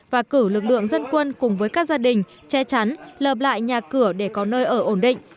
và cử lực lượng dân quân cùng với các gia đình che chắn lợp lại nhà cửa để có nơi ở ổn định